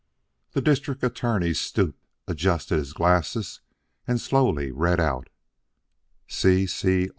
The District Attorney stooped, adjusted his glasses and slowly read out: "C. C.